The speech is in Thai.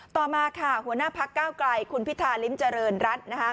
ต่อมาค่ะหัวหน้าพักเก้าไกลคุณพิธาริมเจริญรัฐ